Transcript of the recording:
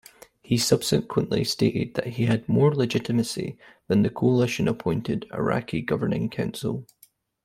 He subsequently stated that he had more legitimacy than the Coalition-appointed Iraqi Governing Council.